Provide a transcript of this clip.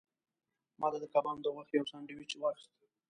ما د کبانو د غوښې یو سانډویچ واخیست.